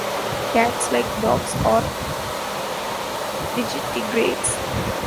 Cats, like dogs, are digitigrades.